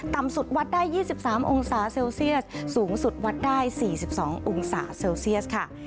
ต่ำสุดวัดได้๒๓องศาเซลเซียสสูงสุดวัดได้๔๒องศาเซลเซียสค่ะ